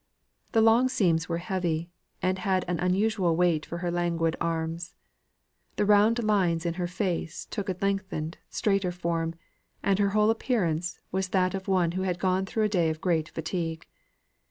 The long seams were heavy, and had an unusual weight for her languid arms. The round lines in her face took a lengthened, straighter form, and her whole appearance was that of one who had gone through a day of great fatigue.